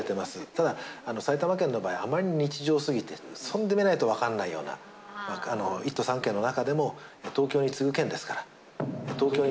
ただ、埼玉県の場合、あまりに日常すぎて、住んでみないと分からないような、１都３県の中でも、東京に次ぐ県ですから。